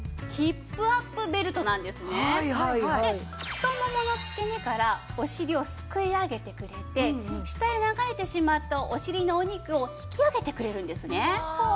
太ももの付け根からお尻をすくい上げてくれて下へ流れてしまったお尻のお肉を引き上げてくれるんですね。